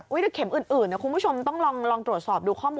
แต่เข็มอื่นคุณผู้ชมต้องลองตรวจสอบดูข้อมูล